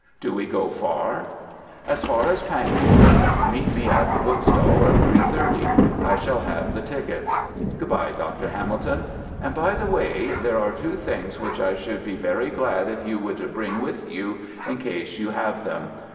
"Do we go far?" "As far as Pangbourne. Meet me at the bookstall at 3.30. I shall have the tickets. Good bye, Dr. Hamilton! And, by the way, there are two things which I should be very glad if you would bring with you, in case you have them.